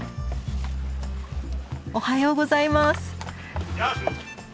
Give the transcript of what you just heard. おはようございます。